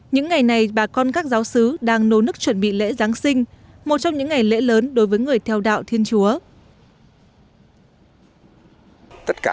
những ngày này bà con các giáo sứ đang nô nức chuẩn bị lễ giáng sinh một trong những ngày lễ lớn đối với người theo đạo thiên chúa